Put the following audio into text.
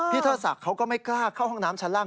เทิดศักดิ์เขาก็ไม่กล้าเข้าห้องน้ำชั้นล่าง